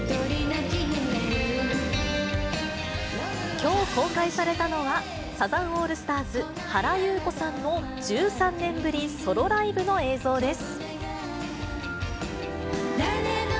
きょう公開されたのは、サザンオールスターズ・原由子さんの１３年ぶりソロライブの映像です。